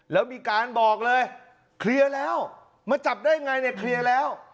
แล้วมีการบอกเลยเคลียร์แล้วมาจับได้ไงเนี่ยเคลียร์แล้ว